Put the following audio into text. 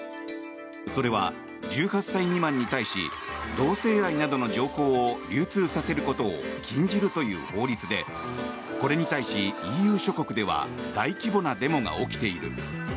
それは、１８歳未満に対し同性愛などの情報を流通させることを禁じるという法律でこれに対し、ＥＵ諸国では大規模なデモが起きている。